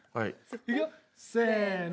いくよせーの。